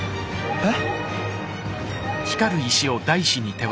えっ？